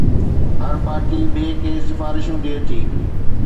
هر party ٻئي کي سفارشون ڏئي ٿي